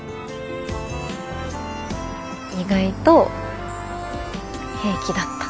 意外と平気だった。